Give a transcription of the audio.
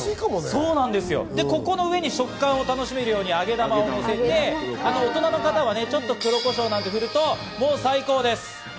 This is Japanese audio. ここの上に食感を楽しめるように揚げ玉を乗せて大人の方はちょっと黒コショウなんかを振るともう最高です。